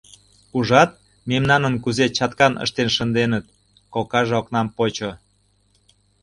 Ужат, мемнаным кузе чаткан ыштен шынденыт, — кокаже окнам почо.